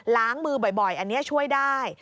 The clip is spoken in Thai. ล้างมือบ่อยอันนี้ช่วยได้